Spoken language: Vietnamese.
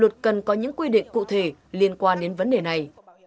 luật cần có những quy định cụ thể liên quan đến vấn đề này